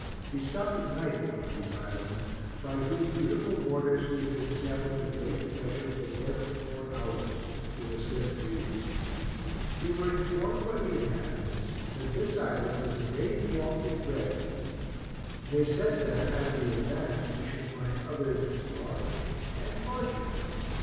We stopped at night at one of these islands, by whose beautiful borders we had been sailing with great pleasure for more than four hours, with a stiff breeze. We were in formed by the inhabitants, that this island was a day's walk in breadth. They said, that, as we advanced, we should find others as large and larger.